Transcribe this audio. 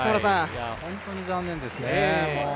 本当に残念ですね。